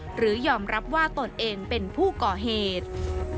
หรือยอมรับว่าตนเองเป็นผู้ก่อเหตุ